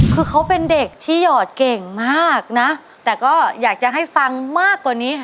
คือเขาเป็นเด็กที่หยอดเก่งมากนะแต่ก็อยากจะให้ฟังมากกว่านี้